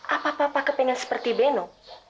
apa papa kepingin seperti beno